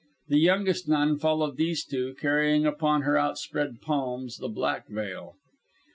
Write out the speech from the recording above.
The youngest nun followed these two, carrying upon her outspread palms the black veil.